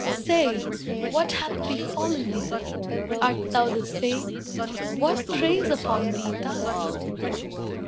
Say, what hath befallen thee? Art thou the same? What preys upon thee thus?"